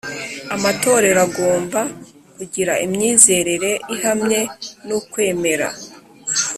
amatorero agomba kugira imyizerere ihamye n ukwemera